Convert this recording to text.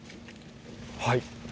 はい。